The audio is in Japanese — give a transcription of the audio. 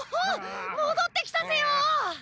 もどってきたぜよ！